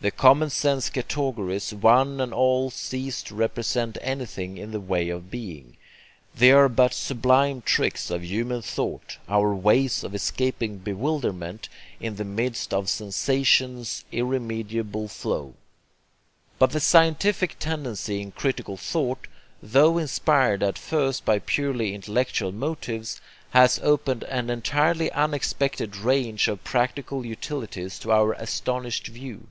The common sense categories one and all cease to represent anything in the way of BEING; they are but sublime tricks of human thought, our ways of escaping bewilderment in the midst of sensation's irremediable flow. But the scientific tendency in critical thought, tho inspired at first by purely intellectual motives, has opened an entirely unexpected range of practical utilities to our astonished view.